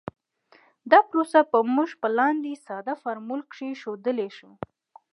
دا پروسه موږ په لاندې ساده فورمول کې ښودلی شو